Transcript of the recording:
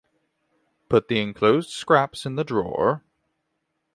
Put the enclosed scraps in the drawer.